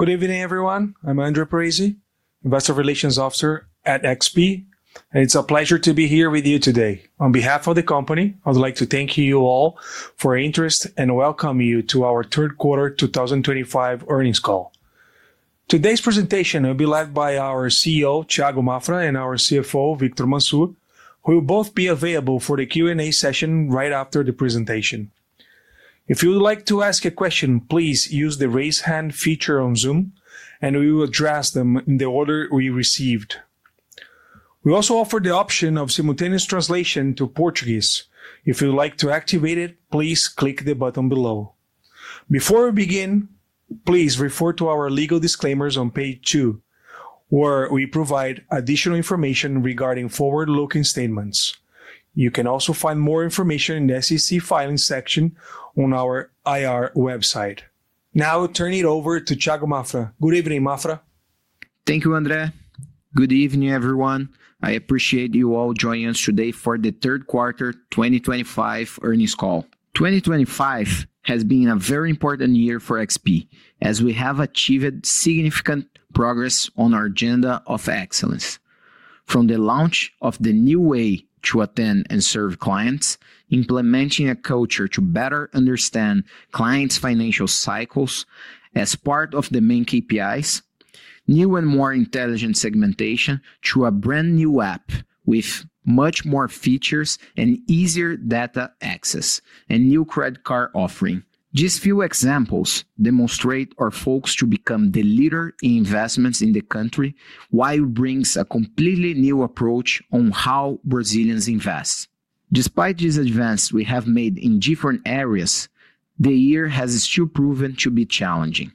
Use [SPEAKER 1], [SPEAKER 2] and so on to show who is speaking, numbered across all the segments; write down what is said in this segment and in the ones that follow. [SPEAKER 1] Good evening, everyone. I'm André Parize, Investor Relations Officer at XP, and it's a pleasure to be here with you today. On behalf of the company, I'd like to thank you all for your interest and welcome you to our third quarter 2025 earnings call. Today's presentation will be led by our CEO, Thiago Maffra, and our CFO, Victor Mansur, who will both be available for the Q&A session right after the presentation. If you would like to ask a question, please use the raise hand feature on Zoom, and we will address them in the order we received. We also offer the option of simultaneous translation to Portuguese. If you'd like to activate it, please click the button below. Before we begin, please refer to our legal disclaimers on page two, where we provide additional information regarding forward-looking statements. You can also find more information in the SEC filing section on our IR website. Now, we'll turn it over to Thiago Maffra. Good evening, Maffra.
[SPEAKER 2] Thank you, André. Good evening, everyone. I appreciate you all joining us today for the third quarter 2025 earnings call. 2025 has been a very important year for XP as we have achieved significant progress on our agenda of excellence. From the launch of the new way to attend and serve clients, implementing a culture to better understand clients' financial cycles as part of the main KPIs, new and more intelligent segmentation to a brand new app with much more features and easier data access, and new credit card offering. These few examples demonstrate our focus to become the leader in investments in the country, while bringing a completely new approach on how Brazilians invest. Despite these advances we have made in different areas, the year has still proven to be challenging.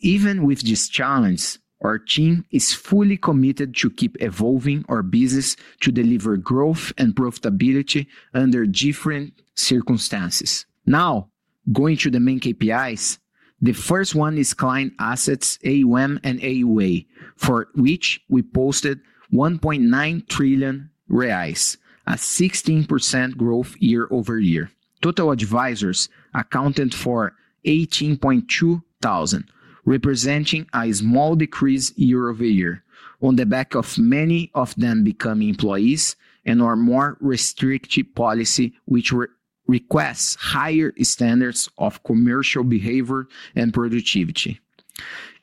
[SPEAKER 2] Even with these challenges, our team is fully committed to keep evolving our business to deliver growth and profitability under different circumstances. Now, going to the main KPIs, the first one is client assets, AUM and AUA, for which we posted 1.9 trillion reais, a 16% growth year-over-year. Total advisors accounted for 18.2 thousand, representing a small decrease year-over-year on the back of many of them becoming employees and our more restrictive policy, which requests higher standards of commercial behavior and productivity.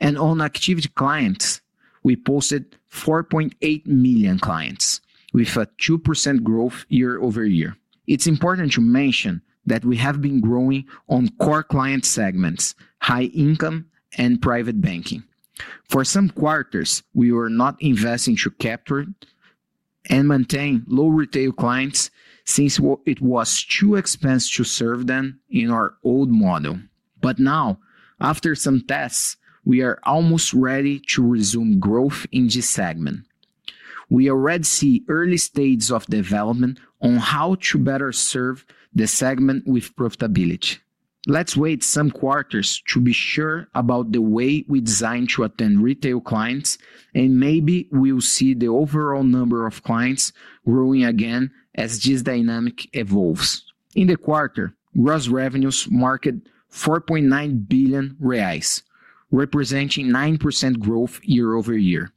[SPEAKER 2] On activity clients, we posted 4.8 million clients, with a 2% growth year-over-year. It's important to mention that we have been growing on core client segments, high income and private banking. For some quarters, we were not investing to capture and maintain low retail clients since it was too expensive to serve them in our old model. Now, after some tests, we are almost ready to resume growth in this segment. We already see early stages of development on how to better serve the segment with profitability. Let's wait some quarters to be sure about the way we design to attend retail clients, and maybe we'll see the overall number of clients growing again as this dynamic evolves. In the quarter, gross revenues marked 4.9 billion reais, representing 9% growth year-over-year.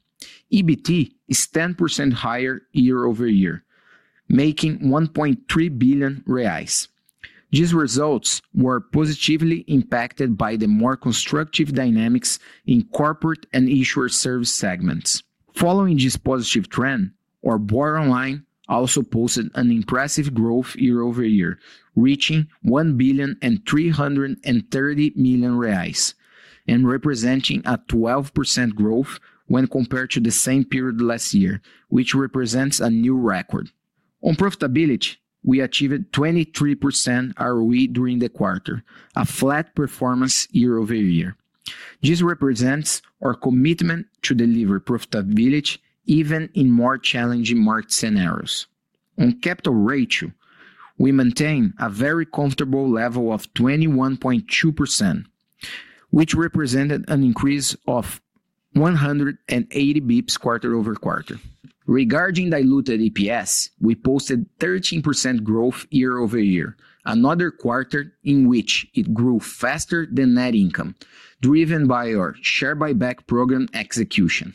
[SPEAKER 2] EBT is 10% higher year-over-year, making 1.3 billion reais. These results were positively impacted by the more constructive dynamics in corporate and insurance service segments. Following this positive trend, our borderline also posted an impressive growth year-over-year, reaching 1.33 billion and representing a 12% growth when compared to the same period last year, which represents a new record. On profitability, we achieved 23% ROE during the quarter, a flat performance year-over-year. This represents our commitment to deliver profitability even in more challenging market scenarios. On capital ratio, we maintained a very comfortable level of 21.2%, which represented an increase of 180 basis points quarter-over-quarter. Regarding diluted EPS, we posted 13% growth year-over-year, another quarter in which it grew faster than net income, driven by our share buyback program execution.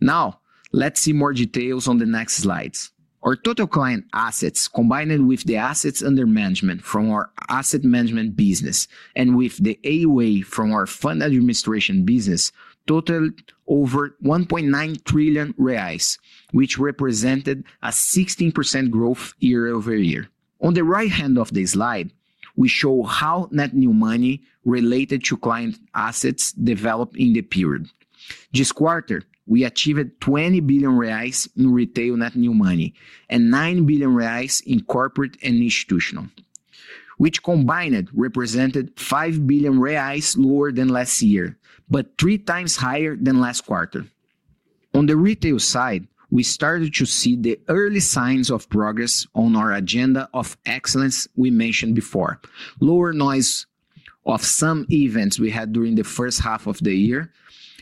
[SPEAKER 2] Now, let's see more details on the next slides. Our total client assets, combined with the assets under management from our asset management business and with the AUA from our fund administration business, totaled over 1.9 trillion reais, which represented a 16% growth year-over-year. On the right hand of the slide, we show how net new money related to client assets developed in the period. This quarter, we achieved 20 billion reais in retail net new money and 9 billion reais in corporate and institutional, which combined represented 5 billion reais lower than last year, but three times higher than last quarter. On the retail side, we started to see the early signs of progress on our agenda of excellence we mentioned before, lower noise of some events we had during the first half of the year,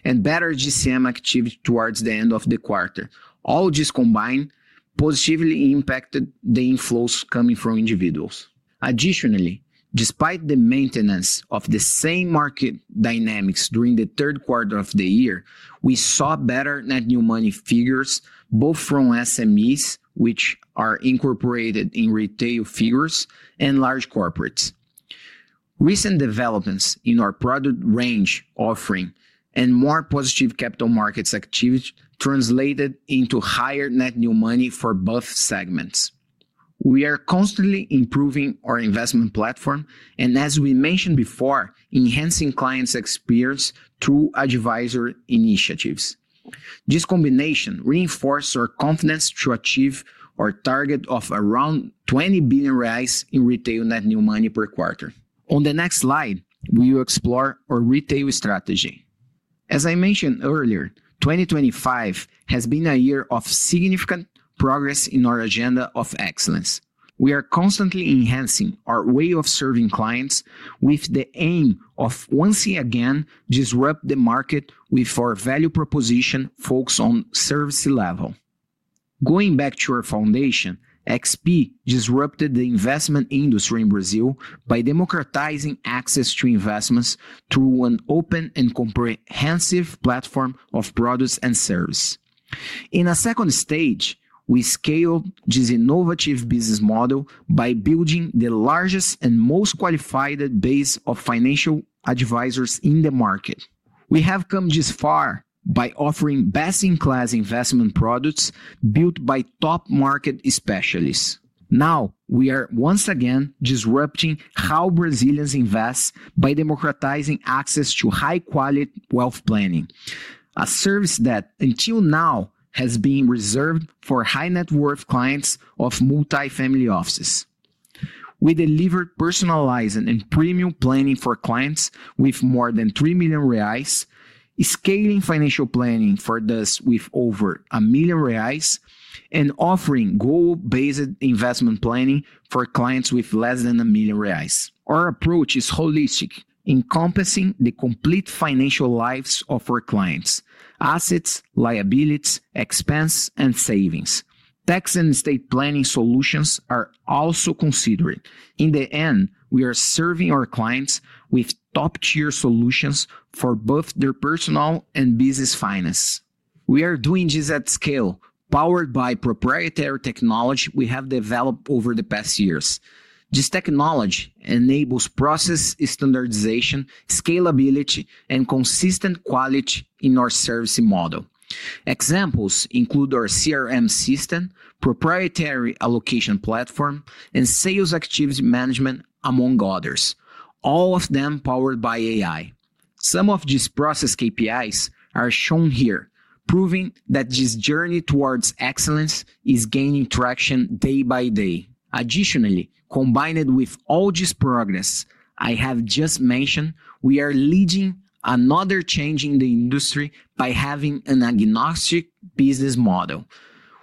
[SPEAKER 2] and better GCM activity towards the end of the quarter. All this combined positively impacted the inflows coming from individuals. Additionally, despite the maintenance of the same market dynamics during the third quarter of the year, we saw better net new money figures, both from SMEs, which are incorporated in retail figures, and large corporates. Recent developments in our product range offering and more positive capital markets activity translated into higher net new money for both segments. We are constantly improving our investment platform and, as we mentioned before, enhancing clients' experience through advisor initiatives. This combination reinforced our confidence to achieve our target of around 20 billion reais in retail net new money per quarter. On the next slide, we will explore our retail strategy. As I mentioned earlier, 2025 has been a year of significant progress in our agenda of excellence. We are constantly enhancing our way of serving clients with the aim of once again disrupting the market with our value proposition focused on service level. Going back to our foundation, XP disrupted the investment industry in Brazil by democratizing access to investments through an open and comprehensive platform of products and service. In a second stage, we scaled this innovative business model by building the largest and most qualified base of financial advisors in the market. We have come this far by offering best-in-class investment products built by top market specialists. Now, we are once again disrupting how Brazilians invest by democratizing access to high-quality wealth planning, a service that until now has been reserved for high-net-worth clients of multi-family offices. We delivered personalized and premium planning for clients with more than 3 million reais, scaling financial planning for those with over 1 million reais, and offering goal-based investment planning for clients with less than 1 million reais. Our approach is holistic, encompassing the complete financial lives of our clients: assets, liabilities, expenses, and savings. Tax and estate planning solutions are also considered. In the end, we are serving our clients with top-tier solutions for both their personal and business finance. We are doing this at scale, powered by proprietary technology we have developed over the past years. This technology enables process standardization, scalability, and consistent quality in our service model. Examples include our CRM system, proprietary allocation platform, and sales activity management, among others, all of them powered by AI. Some of these process KPIs are shown here, proving that this journey towards excellence is gaining traction day by day. Additionally, combined with all this progress I have just mentioned, we are leading another change in the industry by having an agnostic business model.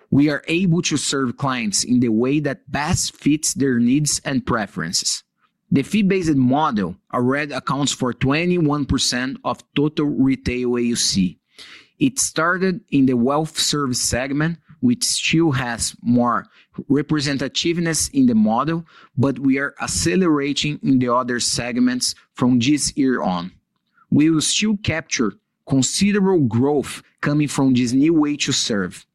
[SPEAKER 2] We are able to serve clients in the way that best fits their needs and preferences. The fee-based model already accounts for 21% of total retail AUC. It started in the wealth service segment, which still has more representativeness in the model, but we are accelerating in the other segments from this year on. We will still capture considerable growth coming from this new way to serve.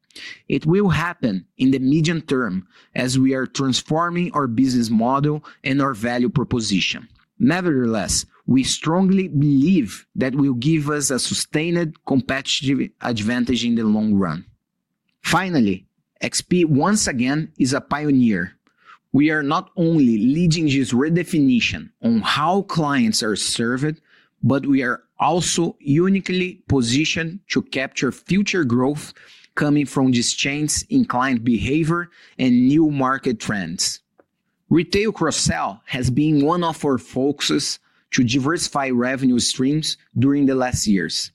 [SPEAKER 2] It will happen in the medium term as we are transforming our business model and our value proposition. Nevertheless, we strongly believe that it will give us a sustained competitive advantage in the long run. Finally, XP once again is a pioneer. We are not only leading this redefinition on how clients are served, but we are also uniquely positioned to capture future growth coming from these changes in client behavior and new market trends. Retail cross-sell has been one of our focuses to diversify revenue streams during the last years.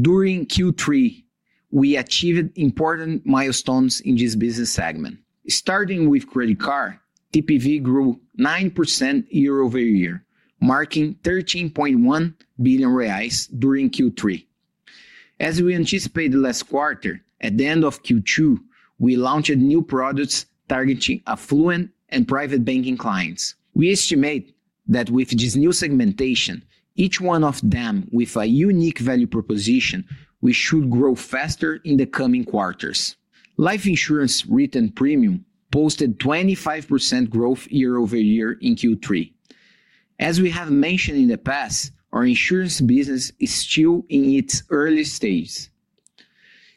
[SPEAKER 2] During Q3, we achieved important milestones in this business segment. Starting with credit card, TPV grew 9% year-over-year, marking 13.1 billion reais during Q3. As we anticipated last quarter, at the end of Q2, we launched new products targeting affluent and private banking clients. We estimate that with this new segmentation, each one of them with a unique value proposition, we should grow faster in the coming quarters. Life insurance retail premium posted 25% growth year-over-year in Q3. As we have mentioned in the past, our insurance business is still in its early stage.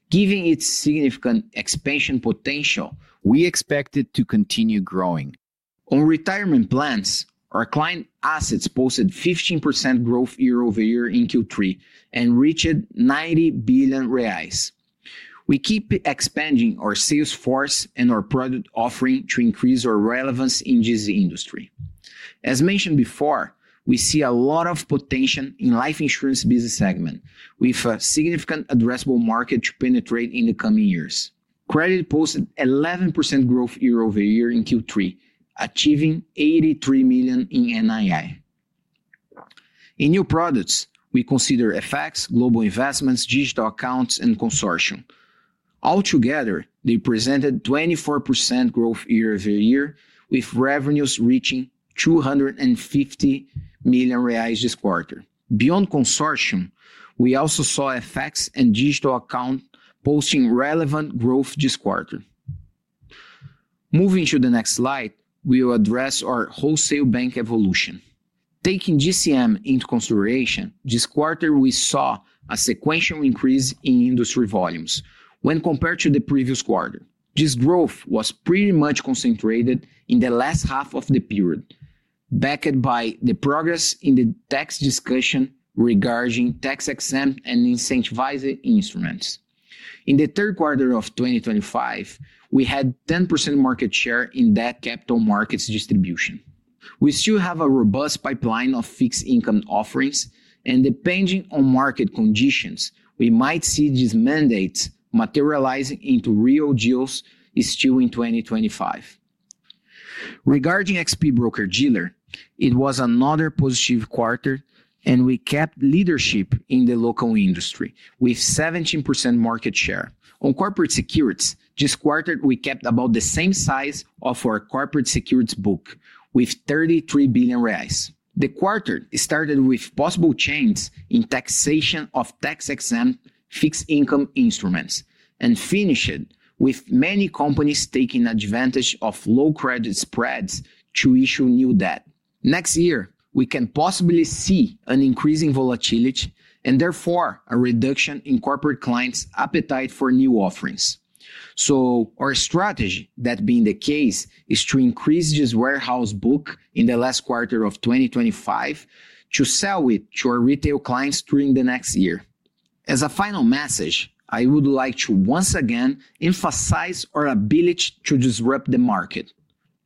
[SPEAKER 2] Given its significant expansion potential, we expect it to continue growing. On retirement plans, our client assets posted 15% growth year-over-year in Q3 and reached 90 billion reais. We keep expanding our sales force and our product offering to increase our relevance in this industry. As mentioned before, we see a lot of potential in the life insurance business segment, with a significant addressable market to penetrate in the coming years. Credit posted 11% growth year-over-year in Q3, achieving 83 million in NII. In new products, we consider FX, global investments, digital accounts, and consortium. Altogether, they presented 24% growth year-over-year, with revenues reaching 250 million reais this quarter. Beyond consortium, we also saw FX and digital accounts posting relevant growth this quarter. Moving to the next slide, we will address our wholesale bank evolution. Taking GCM into consideration, this quarter we saw a sequential increase in industry volumes when compared to the previous quarter. This growth was pretty much concentrated in the last half of the period, backed by the progress in the tax discussion regarding tax exempt and incentivized instruments. In the third quarter of 2025, we had 10% market share in that capital markets distribution. We still have a robust pipeline of fixed income offerings, and depending on market conditions, we might see these mandates materializing into real deals still in 2025. Regarding XP broker dealer, it was another positive quarter, and we kept leadership in the local industry with 17% market share. On corporate securities, this quarter we kept about the same size of our corporate securities book with 33 billion reais. The quarter started with possible changes in taxation of tax exempt fixed income instruments and finished with many companies taking advantage of low credit spreads to issue new debt. Next year, we can possibly see an increase in volatility and therefore a reduction in corporate clients' appetite for new offerings. Our strategy, that being the case, is to increase this warehouse book in the last quarter of 2025 to sell it to our retail clients during the next year. As a final message, I would like to once again emphasize our ability to disrupt the market.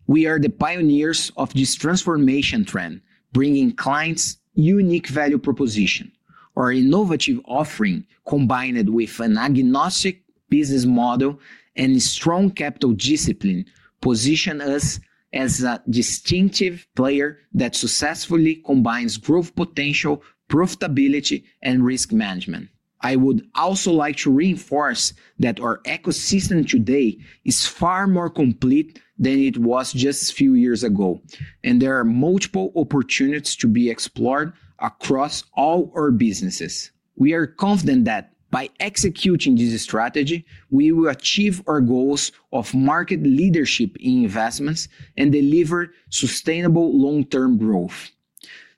[SPEAKER 2] We are the pioneers of this transformation trend, bringing clients' unique value proposition. Our innovative offering, combined with an agnostic business model and strong capital discipline, positions us as a distinctive player that successfully combines growth potential, profitability, and risk management. I would also like to reinforce that our ecosystem today is far more complete than it was just a few years ago, and there are multiple opportunities to be explored across all our businesses. We are confident that by executing this strategy, we will achieve our goals of market leadership in investments and deliver sustainable long-term growth.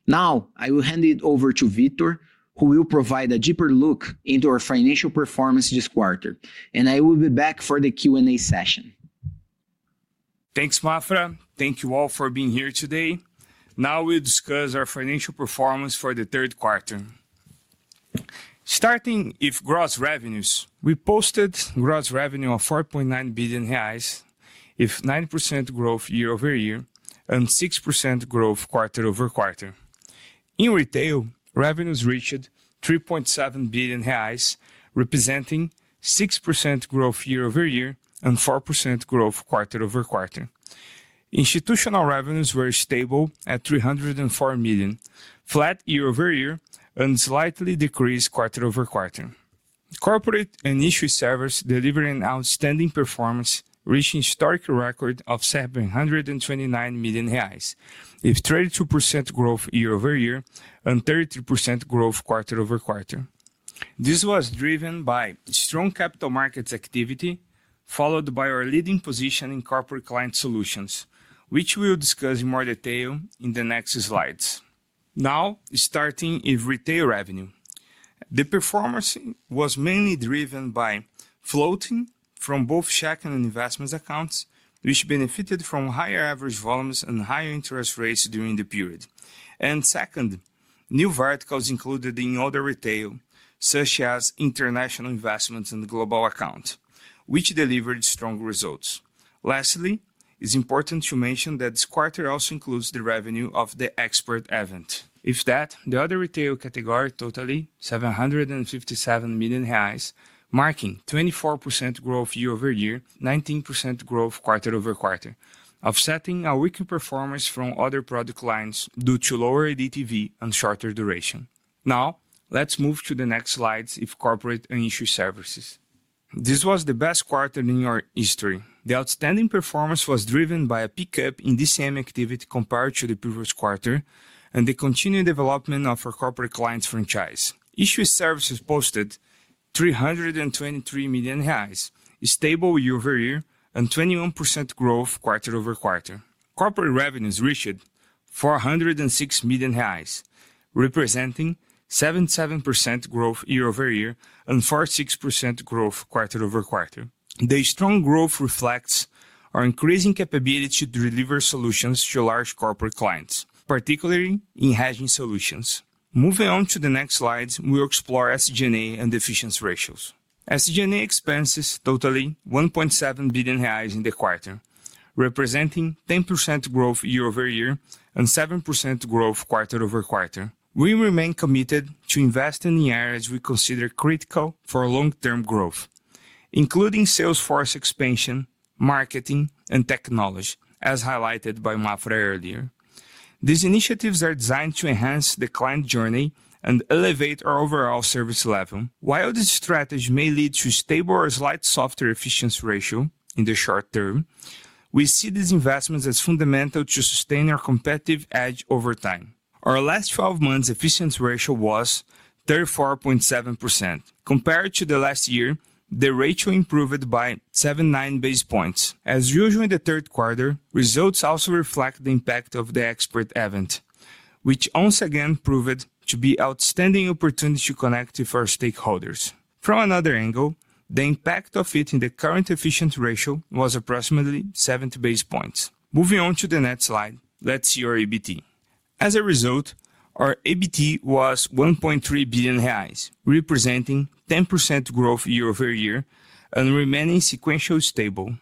[SPEAKER 2] Now, I will hand it over to Victor, who will provide a deeper look into our financial performance this quarter, and I will be back for the Q&A session.
[SPEAKER 3] Thanks, Maffra. Thank you all for being here today. Now we'll discuss our financial performance for the third quarter. Starting with gross revenues, we posted gross revenue of 4.9 billion reais, with 9% growth year-over-year and 6% growth quarter-over-quarter. In retail, revenues reached 3.7 billion reais, representing 6% growth year-over-year and 4% growth quarter-over-quarter. Institutional revenues were stable at 304 million, flat year-over-year, and slightly decreased quarter-over-quarter. Corporate and industry servers delivered an outstanding performance, reaching a historic record of 729 million reais, with 32% growth year-over-year and 33% growth quarter-over-quarter. This was driven by strong capital markets activity, followed by our leading position in corporate client solutions, which we will discuss in more detail in the next slides. Now, starting with retail revenue, the performance was mainly driven by floating from both check and investment accounts, which benefited from higher average volumes and higher interest rates during the period. Second, new verticals included in other retail, such as international investments and global accounts, which delivered strong results. Lastly, it's important to mention that this quarter also includes the revenue of the Expert event. With that, the other retail category totaled 757 million reais, marking 24% growth year-over-year, 19% growth quarter-over-quarter, offsetting our weaker performance from other product lines due to lower EDTV and shorter duration. Now, let's move to the next slides with corporate and industry services. This was the best quarter in our history. The outstanding performance was driven by a pickup in DCM activity compared to the previous quarter and the continued development of our corporate client franchise. Industry services posted 323 million reais, stable year-over-year, and 21% growth quarter-over-quarter. Corporate revenues reached 406 million reais, representing 77% growth year-over-year and 46% growth quarter-over-quarter. The strong growth reflects our increasing capability to deliver solutions to large corporate clients, particularly in hedging solutions. Moving on to the next slides, we will explore SG&A and efficiency ratios. SG&A expenses totaled 1.7 billion reais in the quarter, representing 10% growth year-over-year and 7% growth quarter-over-quarter. We remain committed to investing in areas we consider critical for long-term growth, including sales force expansion, marketing, and technology, as highlighted by Maffra earlier. These initiatives are designed to enhance the client journey and elevate our overall service level. While this strategy may lead to a stable or slight softer efficiency ratio in the short term, we see these investments as fundamental to sustain our competitive edge over time. Our last 12 months' efficiency ratio was 34.7%. Compared to last year, the ratio improved by 79 basis points. As usual in the third quarter, results also reflect the impact of the Expert event, which once again proved to be an outstanding opportunity to connect with our stakeholders. From another angle, the impact of it in the current efficiency ratio was approximately 70 basis points. Moving on to the next slide, let's see our EBT. As a result, our EBT was 1.3 billion reais, representing 10% growth year-over-year and remaining sequentially stable.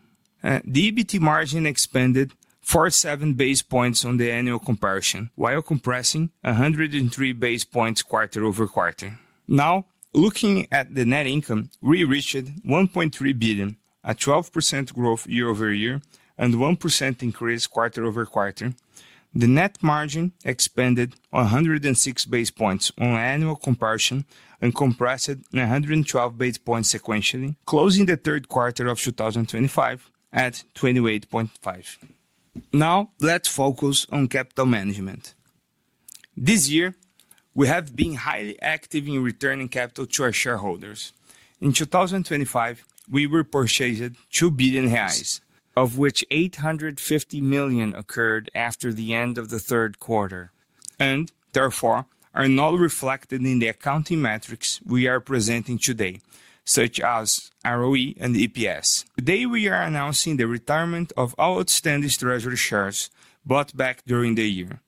[SPEAKER 3] The EBT margin expanded 47 basis points on the annual comparison, while compressing 103 basis points quarter-over-quarter. Now, looking at the net income, we reached 1.3 billion, a 12% growth year-over-year and a 1% increase quarter-over-quarter. The net margin expanded 106 basis points on annual comparison and compressed 112 basis points sequentially, closing the third quarter of 2025 at 28.5%. Now, let's focus on capital management. This year, we have been highly active in returning capital to our shareholders. In 2025, we repurchased 2 billion reais, of which 850 million occurred after the end of the third quarter, and therefore are not reflected in the accounting metrics we are presenting today, such as ROE and EPS. Today, we are announcing the retirement of all outstanding treasury shares bought back during the year,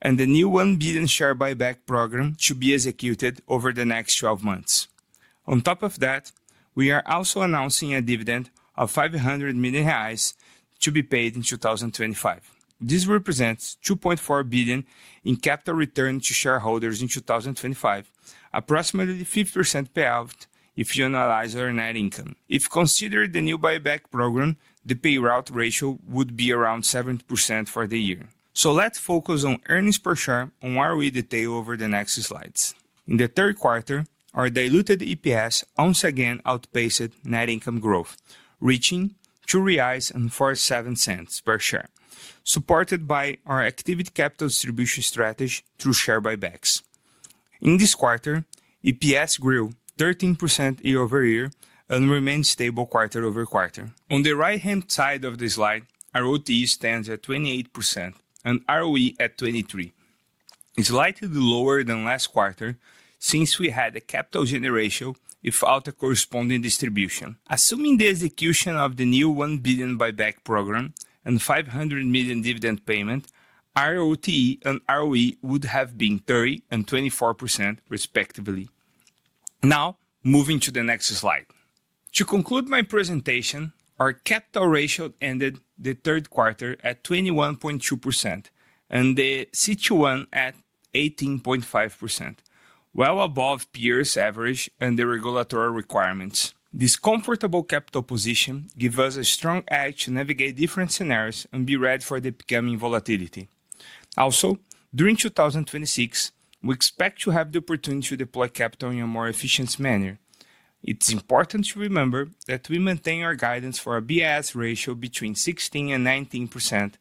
[SPEAKER 3] and the new 1 billion share buyback program to be executed over the next 12 months. On top of that, we are also announcing a dividend of 500 million reais to be paid in 2025. This represents 2.4 billion in capital return to shareholders in 2025, approximately 50% payout if you analyze our net income. If considered the new buyback program, the payout ratio would be around 70% for the year. Let's focus on earnings per share on ROE detail over the next slides. In the third quarter, our diluted EPS once again outpaced net income growth, reaching 2.47 reais per share, supported by our activity capital distribution strategy through share buybacks. In this quarter, EPS grew 13% year-over-year and remained stable quarter-over-quarter. On the right-hand side of the slide, ROT stands at 28% and ROE at 23%. It is slightly lower than last quarter since we had a capital generation without a corresponding distribution. Assuming the execution of the new 1 billion buyback program and 500 million dividend payment, ROT and ROE would have been 30% and 24%, respectively. Now, moving to the next slide. To conclude my presentation, our capital ratio ended the third quarter at 21.2% and the CET1 at 18.5%, well above peers' average and the regulatory requirements. This comfortable capital position gives us a strong edge to navigate different scenarios and be ready for the becoming volatility. Also, during 2026, we expect to have the opportunity to deploy capital in a more efficient manner. It's important to remember that we maintain our guidance for a BS ratio between 16%-19%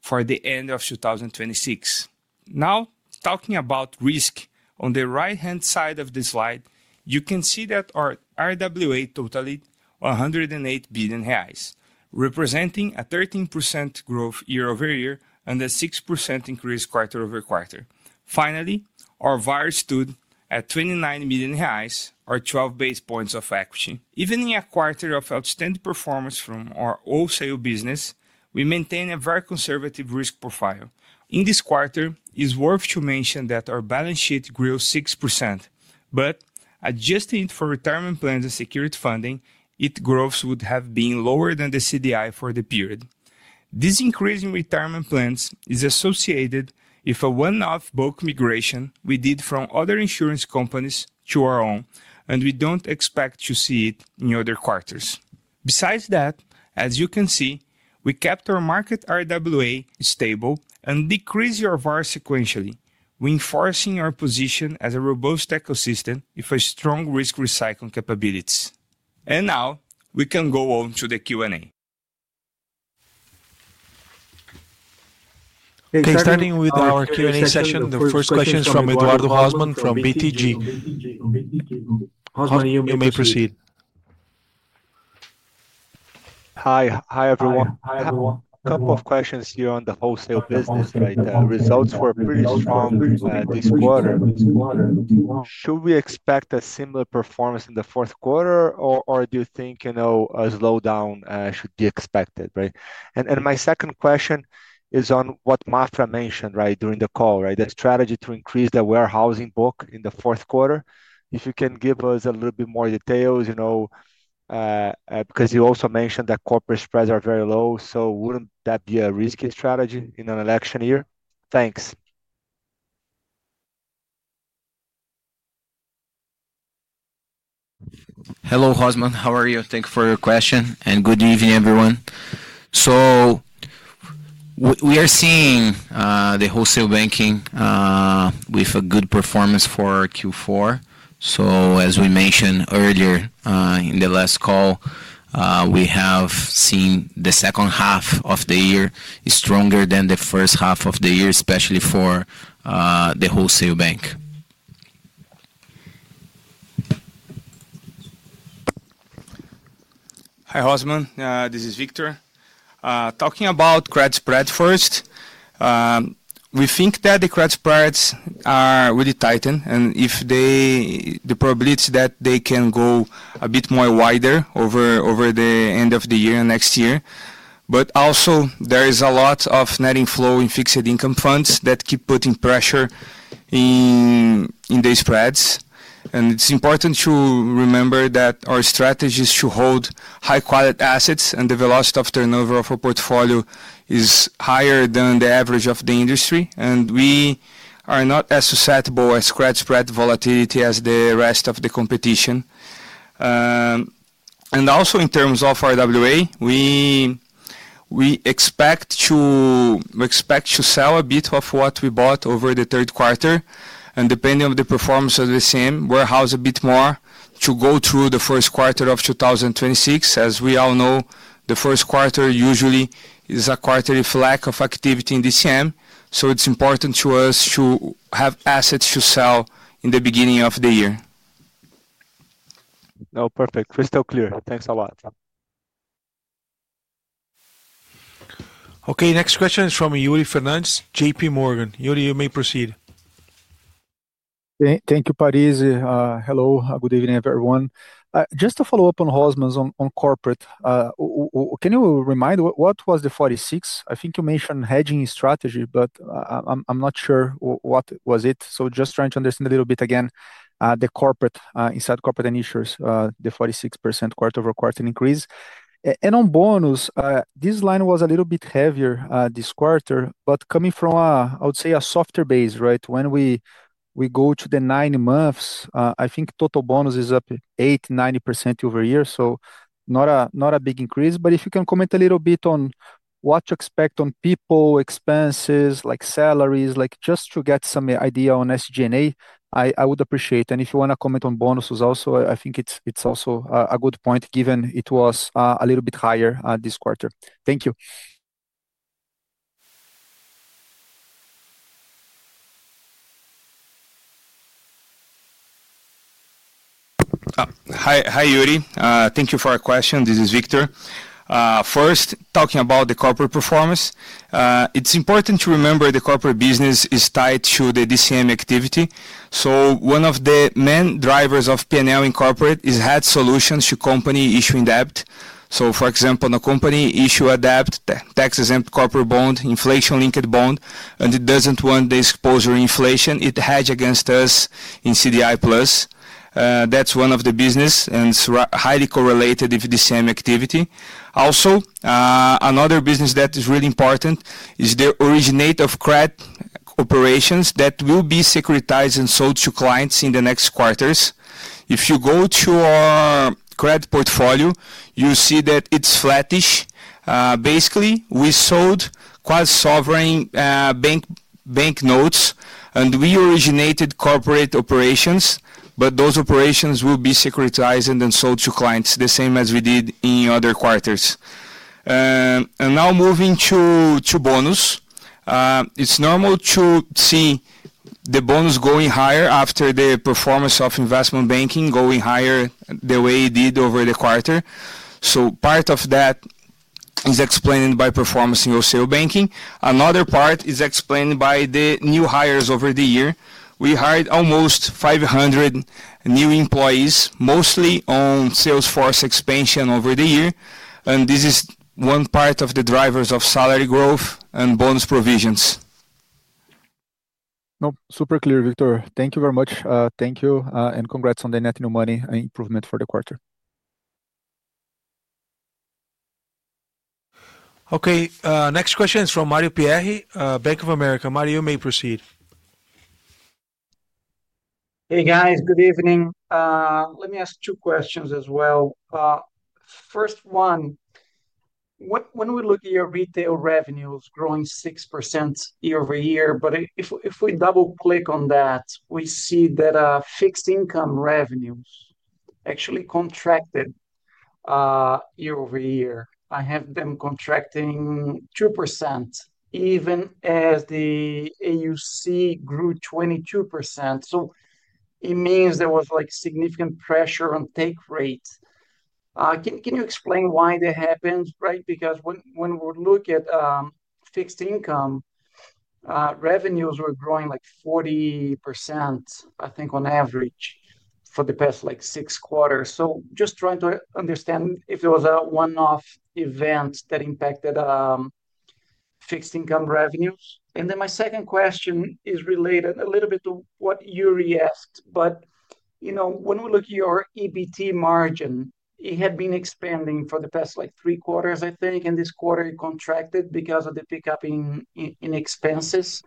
[SPEAKER 3] for the end of 2026. Now, talking about risk, on the right-hand side of the slide, you can see that our RWA totaled 108 billion reais, representing a 13% growth year-over-year and a 6% increase quarter-over-quarter. Finally, our VAR stood at 29 million reais, or 12 basis points of equity. Even in a quarter of outstanding performance from our wholesale business, we maintain a very conservative risk profile. In this quarter, it's worth to mention that our balance sheet grew 6%, but adjusting it for retirement plans and security funding, its growth would have been lower than the CDI for the period. This increase in retirement plans is associated with a one-off bulk migration we did from other insurance companies to our own, and we do not expect to see it in other quarters. Besides that, as you can see, we kept our market RWA stable and decreased our VAR sequentially, reinforcing our position as a robust ecosystem with strong risk recycling capabilities. Now, we can go on to the Q&A.
[SPEAKER 1] Okay, starting with our Q&A session, the first question is from Eduardo Rosman from BTG. Rosman, you may proceed.
[SPEAKER 4] Hi, hi everyone. I have a couple of questions here on the wholesale business. Right? Results were pretty strong this quarter. Should we expect a similar performance in the fourth quarter, or do you think, you know, a slowdown should be expected? Right? My second question is on what Maffra mentioned, right, during the call, the strategy to increase the warehousing book in the fourth quarter. If you can give us a little bit more details, you know, because you also mentioned that corporate spreads are very low, so would not that be a risky strategy in an election year? Thanks.
[SPEAKER 2] Hello, Rosman. How are you? Thank you for your question, and good evening, everyone. We are seeing the wholesale banking with a good performance for Q4. As we mentioned earlier in the last call, we have seen the second half of the year stronger than the first half of the year, especially for the wholesale bank.
[SPEAKER 3] Hi, Rosman. This is Victor. Talking about credit spreads first, we think that the credit spreads are really tight, and the probability that they can go a bit more wider over the end of the year and next year. There is a lot of net inflow in fixed income funds that keep putting pressure in the spreads. It is important to remember that our strategy is to hold high-quality assets, and the velocity of turnover of a portfolio is higher than the average of the industry. We are not as susceptible to credit spread volatility as the rest of the competition. In terms of RWA, we expect to sell a bit of what we bought over the third quarter. Depending on the performance of the DCM, warehouse a bit more to go through the first quarter of 2026. As we all know, the first quarter usually is a quarter of lack of activity in DCM. So it's important to us to have assets to sell in the beginning of the year.
[SPEAKER 4] No, perfect. Crystal clear. Thanks a lot.
[SPEAKER 1] Okay, next question is from Yuri Fernandes, JPMorgan. Yuri, you may proceed.
[SPEAKER 5] Thank you, Parize. Hello, good evening, everyone. Just to follow up on Rosman's on corporate, can you remind what was the 46%? I think you mentioned hedging strategy, but I'm not sure what was it. So just trying to understand a little bit again, the corporate inside corporate initials, the 46% quarter-over-quarter increase. And on bonus, this line was a little bit heavier this quarter, but coming from a, I would say, a softer base, right? When we go to the nine months, I think total bonus is up 8%-9% over year. Not a big increase. If you can comment a little bit on what to expect on people expenses, like salaries, just to get some idea on SG&A, I would appreciate it. If you want to comment on bonuses also, I think it's also a good point given it was a little bit higher this quarter. Thank you.
[SPEAKER 3] Hi, Yuri. Thank you for your question. This is Victor. First, talking about the corporate performance, it's important to remember the corporate business is tied to the DCM activity. One of the main drivers of P&L in corporate is hedge solutions to companies issuing debt. For example, a company issues a debt, tax-exempt corporate bond, inflation-linked bond, and it does not want the exposure to inflation. It hedges against us in CDIPlus. That is one of the businesses and is highly correlated with DCM activity. Also, another business that is really important is the originator of credit operations that will be securitized and sold to clients in the next quarters. If you go to our credit portfolio, you'll see that it's flattish. Basically, we sold quasi-sovereign bank notes, and we originated corporate operations, but those operations will be securitized and sold to clients the same as we did in other quarters. Now moving to bonus, it's normal to see the bonus going higher after the performance of investment banking going higher the way it did over the quarter. Part of that is explained by performance in wholesale banking. Another part is explained by the new hires over the year. We hired almost 500 new employees, mostly on sales force expansion over the year. This is one part of the drivers of salary growth and bonus provisions.
[SPEAKER 5] No, super clear, Victor. Thank you very much. Thank you and congrats on the net new money improvement for the quarter.
[SPEAKER 1] Okay, next question is from Mario Pierry, Bank of America. Mario, you may proceed.
[SPEAKER 6] Hey, guys, good evening. Let me ask two questions as well. First one, when we look at your retail revenues growing 6% year-over-year, but if we double-click on that, we see that fixed income revenues actually contracted year-over-year. I have them contracting 2% even as the AUC grew 22%. So it means there was like significant pressure on take rates. Can you explain why that happens? Right? Because when we look at fixed income revenues, we're growing like 40%, I think, on average for the past like six quarters. So just trying to understand if there was a one-off event that impacted fixed income revenues. Then my second question is related a little bit to what Yuri asked, but you know, when we look at your EBT margin, it had been expanding for the past like three quarters, I think, and this quarter it contracted because of the pickup in expenses.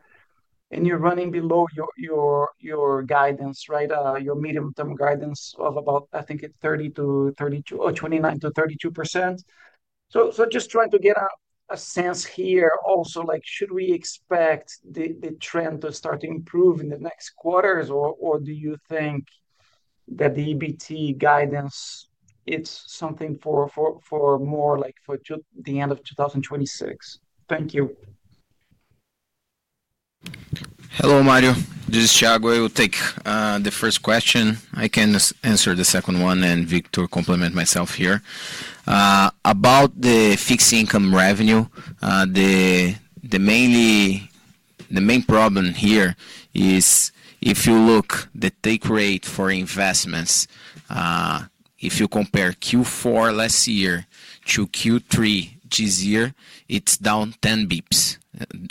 [SPEAKER 6] And you're running below your guidance, right? Your medium-term guidance of about, I think, 30%-32% or 29%-32%. Just trying to get a sense here also, like, should we expect the trend to start to improve in the next quarters, or do you think that the EBT guidance, it's something for more like for the end of 2026? Thank you.
[SPEAKER 2] Hello, Mario. This is Thiago. I will take the first question. I can answer the second one and Victor complement myself here. About the fixed income revenue, the main problem here is if you look at the take rate for investments, if you compare Q4 last year to Q3 this year, it's down 10 basis points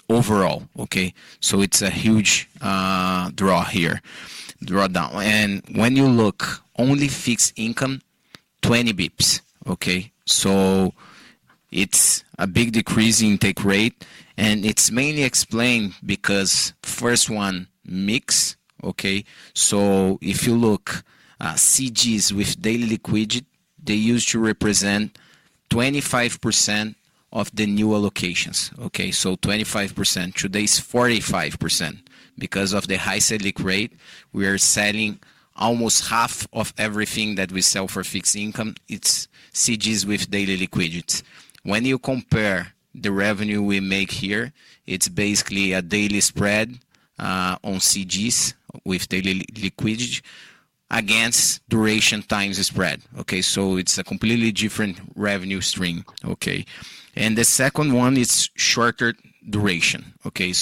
[SPEAKER 2] overall. Okay? It is a huge draw here, drawdown. If you look at only fixed income, 20 basis points. Okay? It is a big decrease in take rate. It is mainly explained because first one, mix. Okay? If you look at CGs with [daily liquidity], they used to represent 25% of the new allocations. Okay? 25% today is 45%. Because of the high-selling rate, we are selling almost half of everything that we sell for fixed income. It is CGs with daily liquidity. If you compare the revenue we make here, it is basically a daily spread on CGs with daily liquidity against duration times spread. Okay? It is a completely different revenue stream. Okay? The second one is shorter duration. Okay?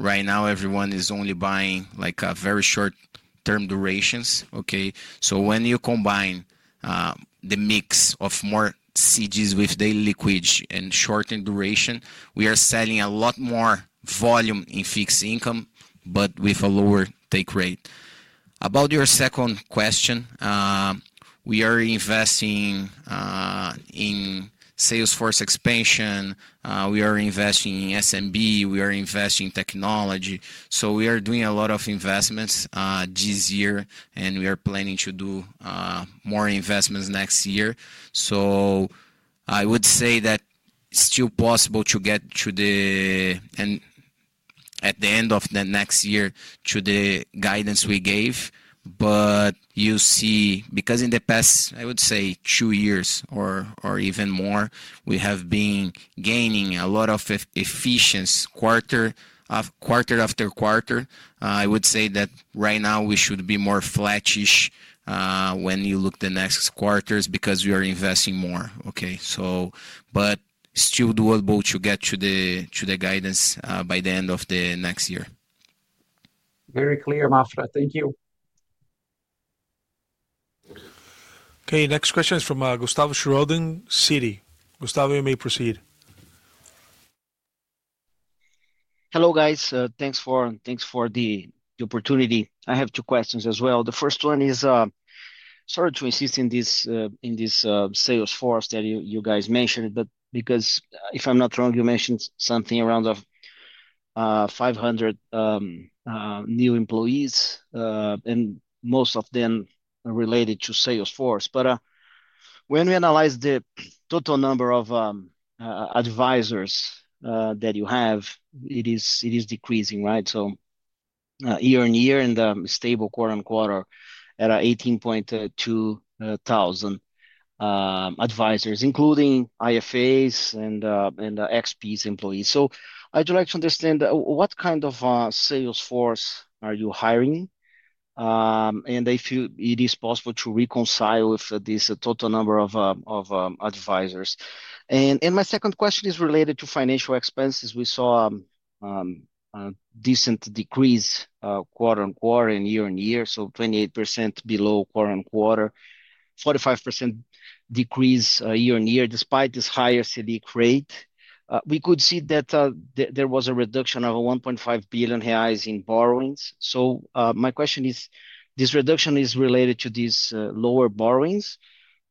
[SPEAKER 2] Right now, everyone is only buying very short-term durations. Okay? When you combine the mix of more CGs with daily liquidity and short-term duration, we are selling a lot more volume in fixed income, but with a lower take rate. About your second question, we are investing in Salesforce expansion. We are investing in SMB. We are investing in technology. We are doing a lot of investments this year, and we are planning to do more investments next year. I would say that it's still possible to get to the, and at the end of next year, to the guidance we gave. But you see, because in the past, I would say two years or even more, we have been gaining a lot of efficiency quarter after quarter, I would say that right now we should be more flattish when you look at the next quarters because we are investing more. Okay? Still doable to get to the guidance by the end of the next year.
[SPEAKER 6] Very clear, Maffra. Thank you.
[SPEAKER 1] Next question is from Gustavo Schroden, Citi. Gustavo, you may proceed.
[SPEAKER 7] Hello, guys. Thanks for the opportunity. I have two questions as well. The first one is, sorry to insist in this Salesforce that you guys mentioned, but because if I'm not wrong, you mentioned something around 500 new employees, and most of them related to Salesforce. But when we analyze the total number of advisors that you have, it is decreasing, right? Year-on-year, and stable quarter-on-quarter at 18,200 advisors, including IFAs and XP's employees. I'd like to understand what kind of Salesforce are you hiring, and if it is possible to reconcile with this total number of advisors. My second question is related to financial expenses. We saw a decent decrease quarter-on-quarter and year-on-year, so 28% below quarter-on-quarter, 45% decrease year-on-year. Despite this higher CDI rate, we could see that there was a reduction of 1.5 billion reais in borrowings. My question is, this reduction is related to these lower borrowings,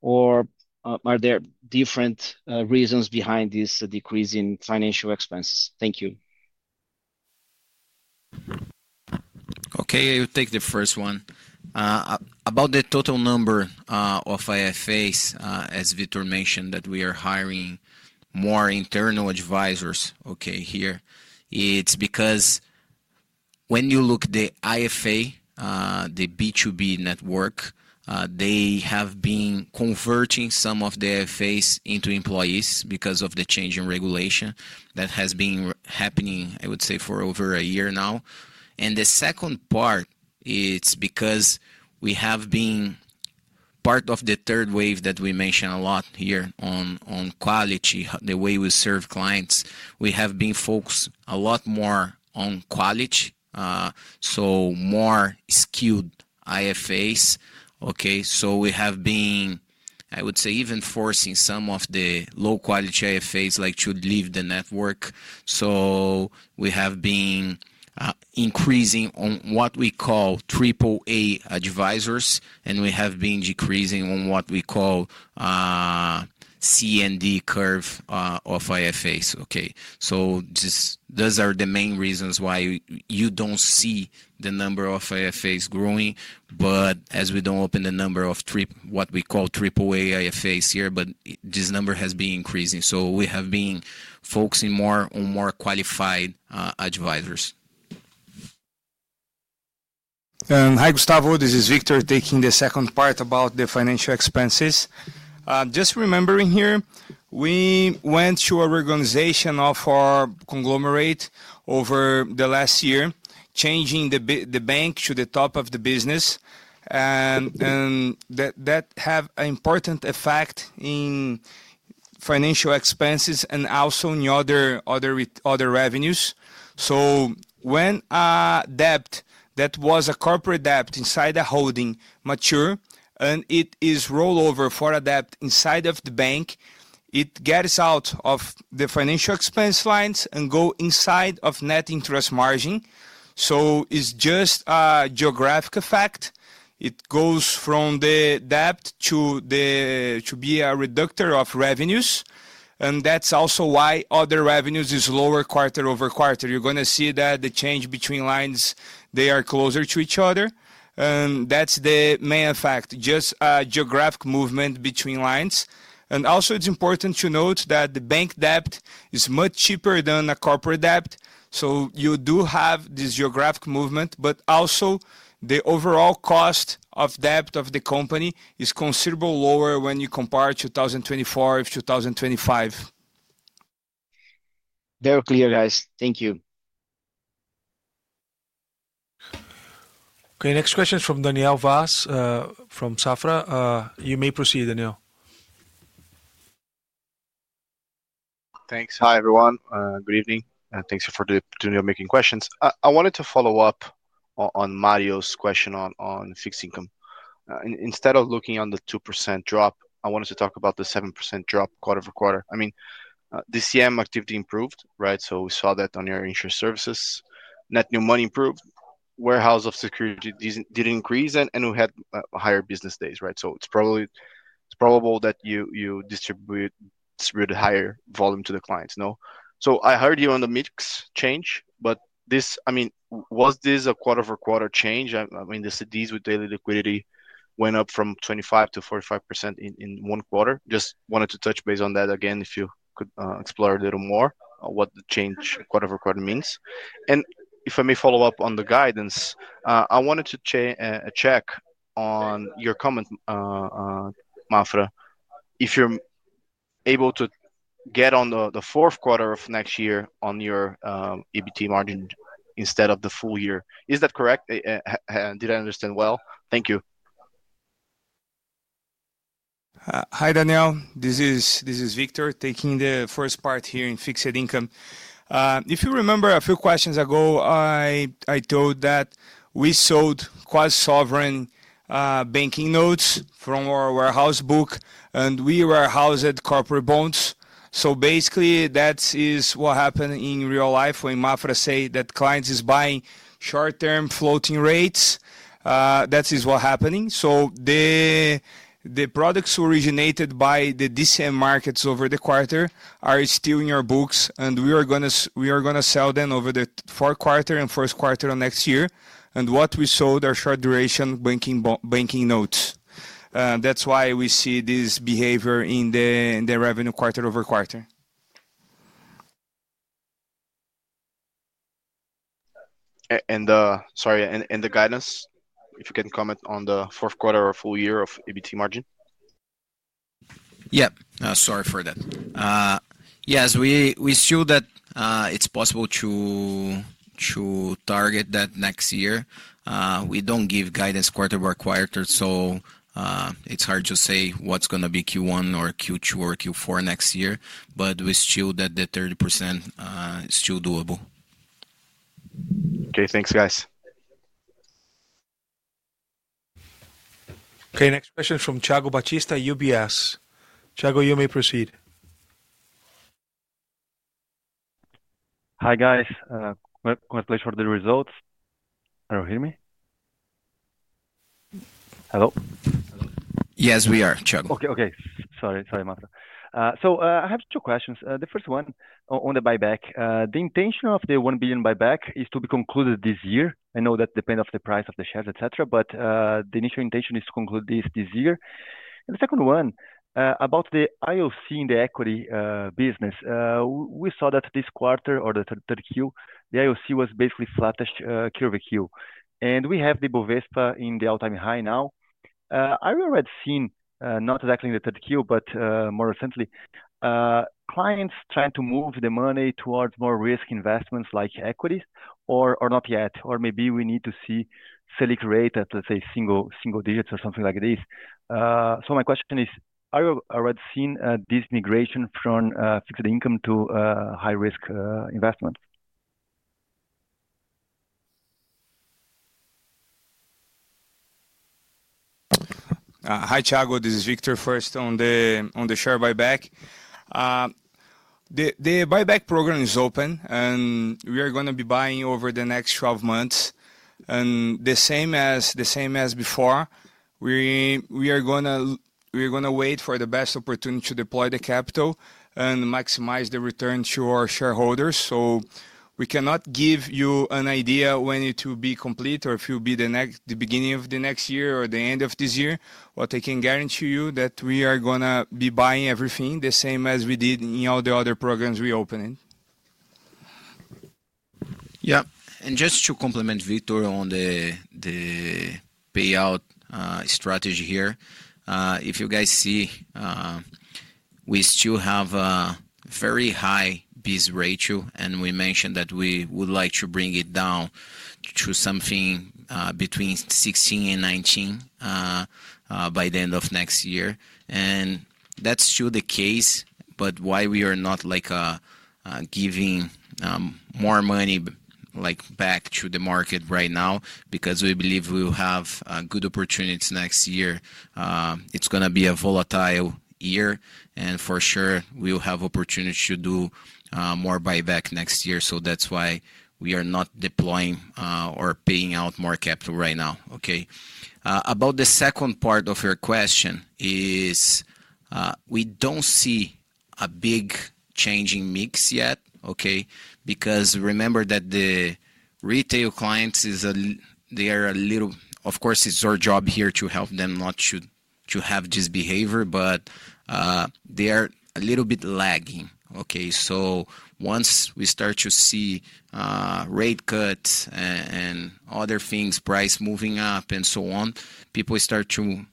[SPEAKER 7] or are there different reasons behind this decrease in financial expenses? Thank you.
[SPEAKER 2] Okay, I will take the first one. About the total number of IFAs, as Victor mentioned, we are hiring more internal advisors here. It's because when you look at the IFA, the B2B network, they have been converting some of the IFAs into employees because of the change in regulation that has been happening, I would say, for over a year now. The second part, it's because we have been part of the third wave that we mentioned a lot here on quality, the way we serve clients. We have been focused a lot more on quality. More skilled IFAs. Okay? We have been, I would say, even forcing some of the low-quality IFAs to leave the network. We have been increasing on what we call AAA advisors, and we have been decreasing on what we call C&D curve of IFAs. Okay? Those are the main reasons why you do not see the number of IFAs growing, but as we do not open the number of what we call AAA IFAs here, this number has been increasing. We have been focusing more on more qualified advisors.
[SPEAKER 3] Hi, Gustavo. This is Victor taking the second part about the financial expenses. Just remembering here, we went to our organization of our conglomerate over the last year, changing the bank to the top of the business, and that had an important effect in financial expenses and also in other revenues. When a debt that was a corporate debt inside a holding matures and it is rolled over for a debt inside of the bank, it gets out of the financial expense lines and goes inside of net interest margin. It is just a geographic effect. It goes from the debt to be a reductor of revenues. That is also why other revenues are lower quarter-over-quarter. You are going to see that the change between lines, they are closer to each other. That is the main effect, just a geographic movement between lines. It is also important to note that the bank debt is much cheaper than a corporate debt. You do have this geographic movement, but also the overall cost of debt of the company is considerably lower when you compare 2024 to 2025.
[SPEAKER 7] Very clear, guys. Thank you.
[SPEAKER 1] Okay, next question is from Daniel Vaz from Safra. You may proceed, Daniel.
[SPEAKER 8] Thanks. Hi, everyone. Good evening. Thanks for the opportunity of making questions. I wanted to follow up on Mario's question on fixed income. Instead of looking on the 2% drop, I wanted to talk about the 7% drop quarter-over-quarter. I mean, DCM activity improved, right? We saw that on your insurance services. Net new money improved. Warehouse of security did increase, and we had higher business days, right? It is probably that you distributed higher volume to the clients, no? I heard you on the mix change, but this, I mean, was this a quarter-over-quarter change? The CDs with daily liquidity went up from 25% to 45% in one quarter. Just wanted to touch base on that again if you could explore a little more what the change quarter-over-quarter means. If I may follow up on the guidance, I wanted to check on your comment, Maffra, if you are able to get on the fourth quarter of next year on your EBT margin instead of the full year. Is that correct? Did I understand well? Thank you.
[SPEAKER 3] Hi, Daniel. This is Victor taking the first part here in fixed income. If you remember a few questions ago, I told that we sold quasi-sovereign banking notes from our warehouse book, and we warehoused corporate bonds. Basically, that is what happened in real life when Maffra said that clients are buying short-term floating rates. That is what's happening. The products originated by the DCM markets over the quarter are still in your books, and we are going to sell them over the fourth quarter and first quarter of next year. What we sold are short-duration banking notes. That is why we see this behavior in the revenue quarter-over-quarter.
[SPEAKER 8] And the guidance, if you can comment on the fourth quarter or full year of EBT margin.
[SPEAKER 2] Sorry for that. Yes, we still think that it's possible to target that next year. We don't give guidance quarter by quarter, so it's hard to say what's going to be Q1 or Q2 or Q4 next year, but we still think that the 30% is still doable.
[SPEAKER 8] Okay, thanks, guys.
[SPEAKER 1] Okay, next question from Thiago Batista, UBS. Thiago, you may proceed.
[SPEAKER 9] Hi, guys. Quite late for the results. Can you hear me? Hello?
[SPEAKER 2] Yes, we are, Thiago.
[SPEAKER 9] Okay, okay. Sorry, sorry, Maffra. So I have two questions. The first one on the buyback, the intention of the 1 billion buyback is to be concluded this year. I know that depends on the price of the shares, etc., but the initial intention is to conclude this this year. The second one about the IOC in the equity business. We saw that this quarter or the third Q, the IOC was basically flattish curve Q. We have the Bovespa in the all-time high now. I don't know if you've seen, not exaclty in [the third Q], but more essentially clients trying to move the money into more risk investments like equities, or not yet? Maybe we need to see [select rates], let's say, single digits or something like this. My question is have we seen a [disintegration] for the income to high risk investment?
[SPEAKER 3] Hi Thiago, this is Victor. First, on the share buyback. The buyback program is open and we are going to be buying over the next 12 months. The same as before, we are going to wait for the best opporutnity to deploy the capital and maximize the returns to our shareholders. We cannot give you an idea when it will be complete or if it will be the beginning of next year or the end of this year, but I can guarantee you that we are going to be buying everything the same as we did in all the other programs we opened.
[SPEAKER 2] Yeah. Just to complement Victor on the payout strategy here, if you guys see, we still have a very high biz ratio, and we mentioned that we would like to bring it down to something between 16% and 19% by the end of next year. That is still the case, but why we are not giving more money back to the market right now is because we believe we will have good opportunities next year. It is going to be a volatile year, and for sure, we will have opportunities to do more buyback next year. That is why we are not deploying or paying out more capital right now. Okay. About the second part of your question, we do not see a big changing mix yet, okay, because remember that the retail clients, they are a little, of course, it is our job here to help them not to have this behavior, but they are a little bit lagging. Okay. Once we start to see rate cuts and other things, price moving up and so on, people start to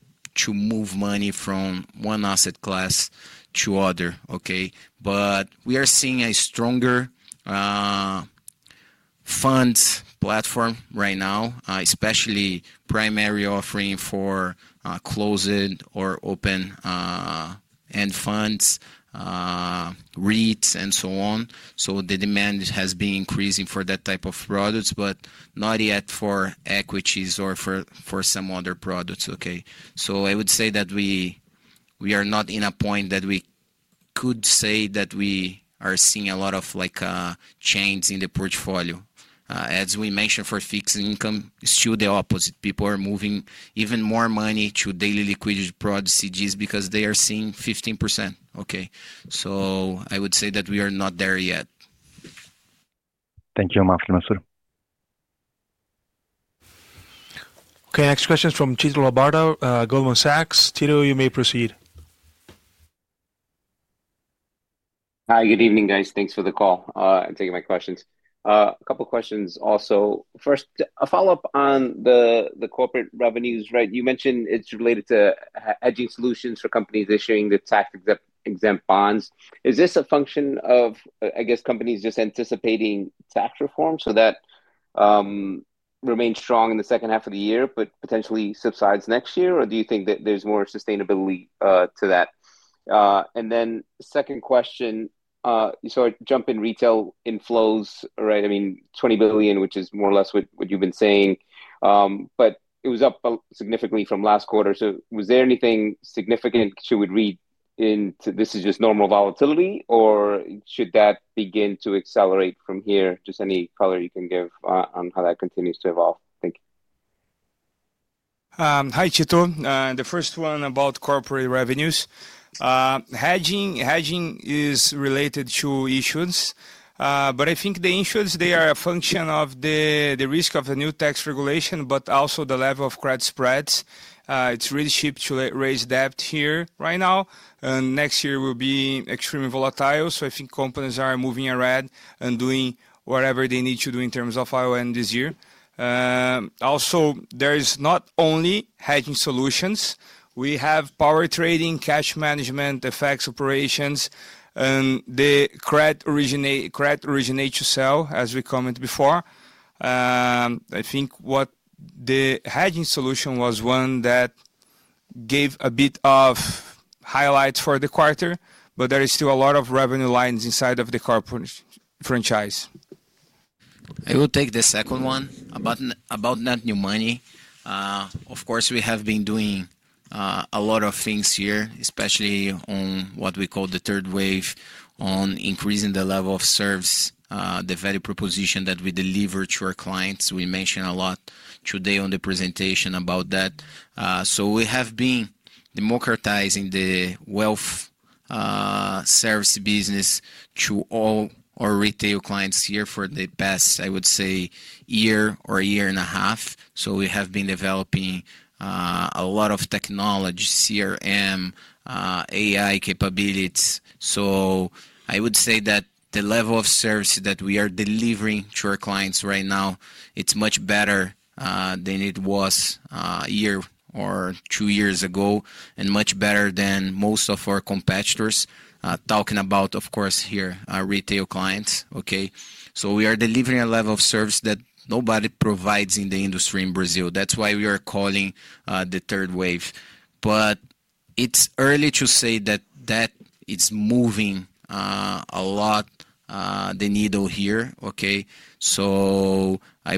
[SPEAKER 2] move money from one asset class to another. Okay. We are seeing a stronger funds platform right now, especially primary offering for closed or open end funds, REITs, and so on. The demand has been increasing for that type of products, but not yet for equities or for some other products. Okay. I would say that we are not in a point that we could say that we are seeing a lot of change in the portfolio. As we mentioned for fixed income, it's still the opposite. People are moving even more money to daily liquidity products, CDs, because they are seeing 15%. I would say that we are not there yet.
[SPEAKER 9] Thank you, Maffra, Mansur.
[SPEAKER 1] Next question is from Tito Labarta, Goldman Sachs. Tito, you may proceed.
[SPEAKER 10] Hi, good evening, guys. Thanks for the call. I'm taking my questions. A couple of questions also. First, a follow-up on the corporate revenues, right? You mentioned it's related to hedging solutions for companies issuing the tax-exempt bonds. Is this a function of, I guess, companies just anticipating tax reform so that remains strong in the second half of the year, but potentially subsides next year? Or do you think that there's more sustainability to that? The second question, you saw it jump in retail inflows, right? I mean, 20 billion, which is more or less what you've been saying, but it was up significantly from last quarter. Was there anything significant to read into this? Is this just normal volatility, or should that begin to accelerate from here? Just any color you can give on how that continues to evolve. Thank you.
[SPEAKER 3] Hi, Tito. The first one about corporate revenues. Hedging is related to issuance, but I think the issuance, they are a function of the risk of the new tax regulation, but also the level of credit spreads. It's really cheap to raise debt here right now, and next year will be extremely volatile. I think companies are moving ahead and doing whatever they need to do in terms of RON this year. Also, there's not only hedging solutions. We have power trading, cash management, FX operations, and the credit originates to sell, as we commented before. I think what the hedging solution was one that gave a bit of highlights for the quarter, but there is still a lot of revenue lines inside of the corporate franchise.
[SPEAKER 2] I will take the second one about net new money. Of course, we have been doing a lot of things here, especially on what we call the third wave on increasing the level of service, the value proposition that we deliver to our clients. We mentioned a lot today on the presentation about that. We have been democratizing the wealth service business to all our retail clients here for the past, I would say, year or a year and a half. We have been developing a lot of technologies, CRM, AI capabilities. I would say that the level of service that we are delivering to our clients right now, it's much better than it was a year or two years ago and much better than most of our competitors, talking about, of course, here, our retail clients. We are delivering a level of service that nobody provides in the industry in Brazil. That is why we are calling the third wave. It is early to say that that is moving a lot the needle here. I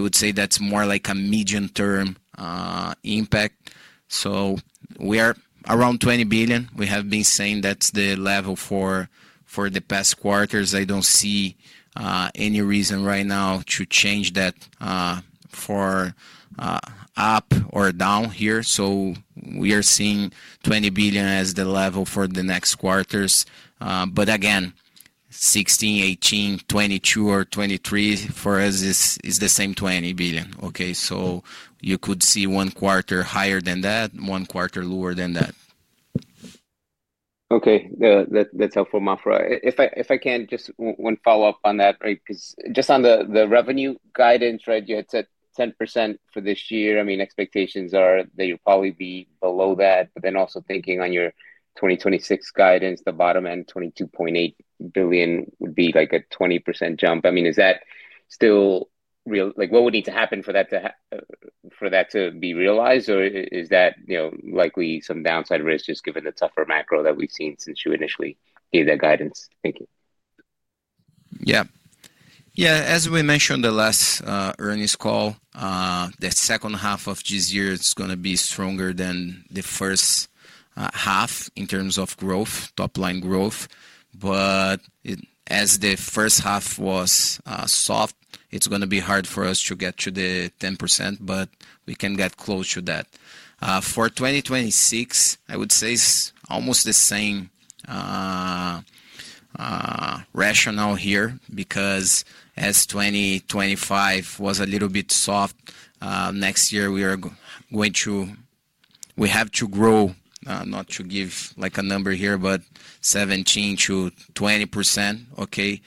[SPEAKER 2] would say that is more like a medium-term impact. We are around 20 billion. We have been saying that's the level for the past quarters. I don't see any reason right now to change that for up or down here. We are seeing 20 billion as the level for the next quarters. Again, 16 billion, 18 billion, 22 billion, or 23 billion for us is the same 20 billion. You could see one quarter higher than that, one quarter lower than that.
[SPEAKER 10] That's helpful, Maffra. If I can, just one follow-up on that, right? Just on the revenue guidance, you had said 10% for this year. I mean, expectations are that you'll probably be below that, but then also thinking on your 2026 guidance, the bottom end, 22.8 billion would be like a 20% jump. I mean, is that still real? What would need to happen for that to be realized, or is that likely some downside risk just given the tougher macro that we've seen since you initially gave that guidance? Thank you.
[SPEAKER 2] Yeah. As we mentioned the last earnings call, the second half of this year is going to be stronger than the first half in terms of growth, top-line growth. As the first half was soft, it's going to be hard for us to get to the 10%, but we can get close to that. For 2026, I would say it's almost the same rationale here because as 2025 was a little bit soft, next year we are going to have to grow, not to give like a number here, but 17%-20%. Okay.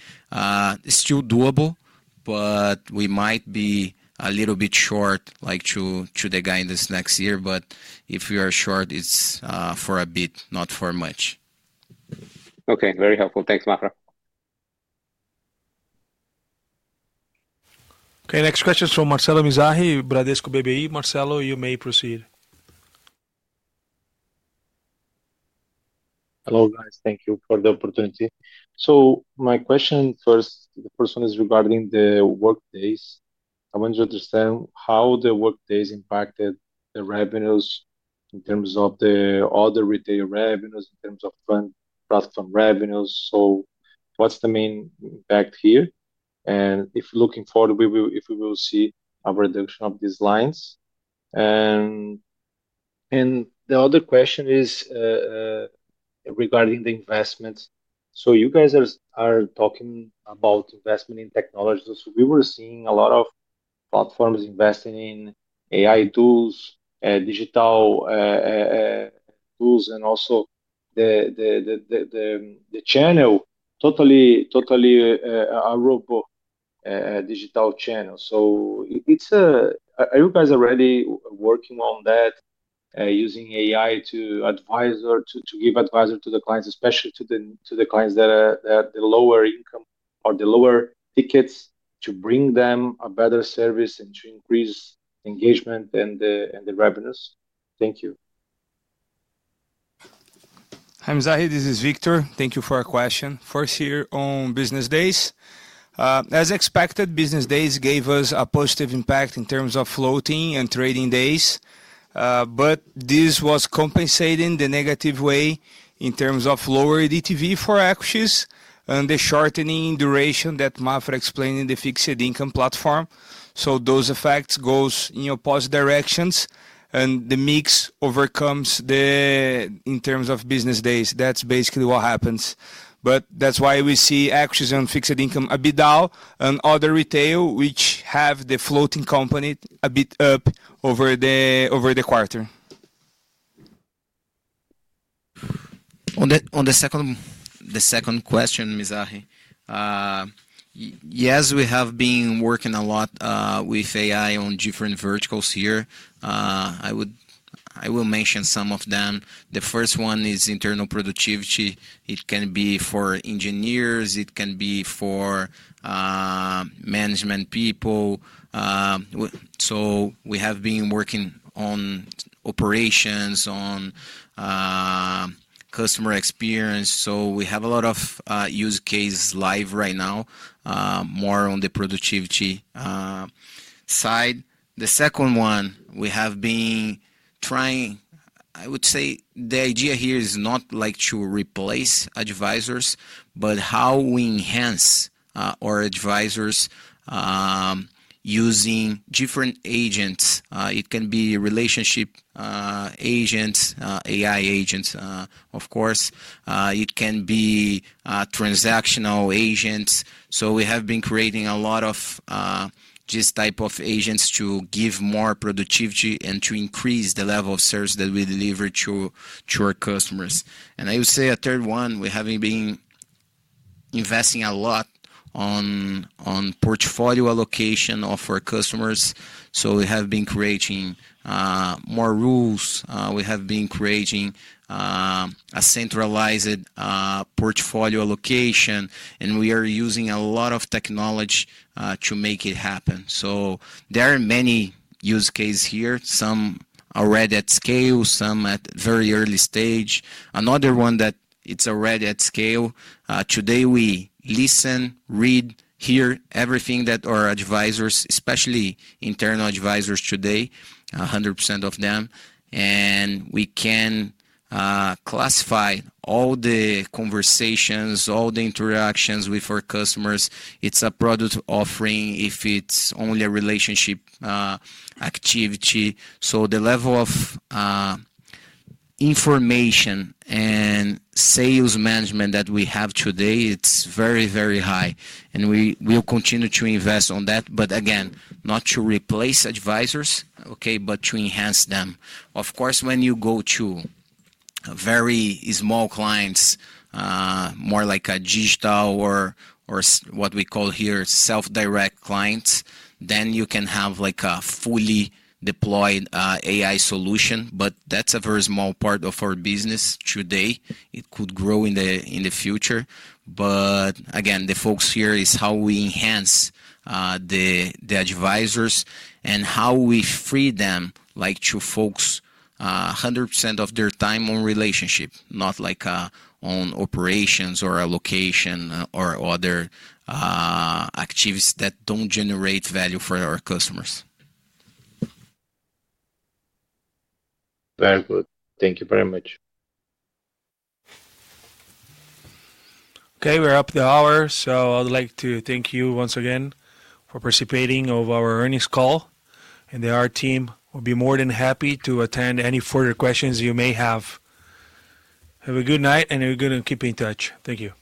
[SPEAKER 2] Still doable, but we might be a little bit short to the guidance next year. But if we are short, it's for a bit, not for much.
[SPEAKER 10] Okay. Very helpful. Thanks, Maffra.
[SPEAKER 1] Okay. Next question is from Marcelo Mizrahi, Bradesco BBI. Marcelo, you may proceed.
[SPEAKER 11] Hello, guys. Thank you for the opportunity. My question first, the first one is regarding the workdays. I want to understand how the workdays impacted the revenues in terms of the other retail revenues, in terms of platform revenues. What's the main impact here? If looking forward, if we will see a reduction of these lines. The other question is regarding the investments. You guys are talking about investment in technologies. We were seeing a lot of platforms investing in AI tools, digital tools, and also the channel totally a robot, digital channel. Are you guys already working on that using AI to advise or to give advice to the clients, especially to the clients that are the lower income or the lower tickets to bring them a better service and to increase engagement and the revenues? Thank you.
[SPEAKER 3] Hi, Mizrahi. This is Victor. Thank you for our question. First here on business days. As expected, business days gave us a positive impact in terms of floating and trading days. This was compensating the negative way in terms of lower ADTV for equities and the shortening duration that Maffra explained in the fixed income platform. Those effects go in opposite directions, and the mix overcomes in terms of business days. That is basically what happens. That is why we see equities and fixed income a bit down and other retail, which have the floating company, a bit up over the quarter.
[SPEAKER 2] On the second question, Mizahi, yes, we have been working a lot with AI on different verticals here. I will mention some of them. The first one is internal productivity. It can be for engineers. It can be for management people. We have been working on operations, on customer experience. We have a lot of use cases live right now, more on the productivity side. The second one, we have been trying, I would say the idea here is not to replace advisors, but how we enhance our advisors using different agents. It can be relationship agents, AI agents, of course. It can be transactional agents. We have been creating a lot of this type of agents to give more productivity and to increase the level of service that we deliver to our customers. I would say a third one, we have been investing a lot on portfolio allocation of our customers. We have been creating more rules. We have been creating a centralized portfolio allocation, and we are using a lot of technology to make it happen. There are many use cases here. Some are already at scale, some at very early stage. Another one that is already at scale. Today, we listen, read, hear everything that our advisors, especially internal advisors today, 100% of them. We can classify all the conversations, all the interactions with our customers. It is a product offering if it is only a relationship activity. The level of information and sales management that we have today, it's very, very high. We will continue to invest on that, but again, not to replace advisors, okay, but to enhance them. Of course, when you go to very small clients, more like a digital or what we call here self-direct clients, then you can have like a fully deployed AI solution, but that's a very small part of our business today. It could grow in the future. Again, the focus here is how we enhance the advisors and how we free them to focus 100% of their time on relationship, not on operations or allocation or other activities that do not generate value for our customers.
[SPEAKER 11] Very good. Thank you very much.
[SPEAKER 1] Okay, we're up the hour. I'd like to thank you once again for participating in our earnings call. Our team will be more than happy to attend any further questions you may have. Have a good night, and we're going to keep in touch. Thank you.